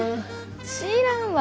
知らんわ。